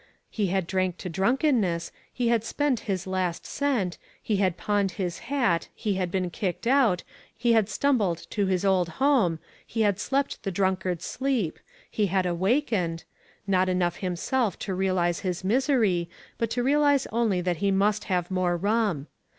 He had drank to drunkenness, he had spent his last cent, he had pawned his hat, he had been kicked out, he had stumbled to his old home, he had slept the drunkard's sleep, he had awakened — not enough himself to realize his misery, but to realize only that he must have more rum.